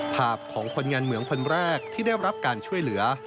ภาพของคนงานเหมืองคนแรกที่ได้รับการช่วยเหลือ